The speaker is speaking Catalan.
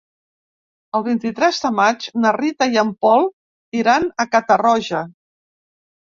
El vint-i-tres de maig na Rita i en Pol iran a Catarroja.